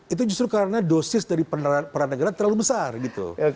itu justru karena dosis dari peran negara terlalu besar gitu